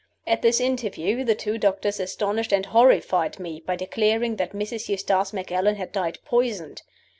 At this interview the two doctors astonished and horrified me by declaring that Mrs. Eustace Macallan had died poisoned.